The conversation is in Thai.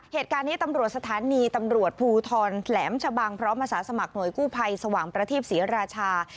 เหตุการณ์นี้ตำรวจสถานีตำรวจภูทรแหลมชะบังพร้อมอาสาสมัครหน่วยกู้ภัยสว่างประทีปศรีราชา